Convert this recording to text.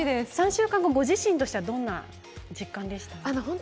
３週間、ご自身としてはどんな実感でしたか？